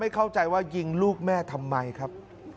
เข้าใจว่ายิงลูกแม่ทำไมครับ